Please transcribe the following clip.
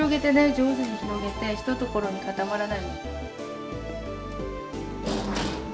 上手に広げて一ところに固まらないように。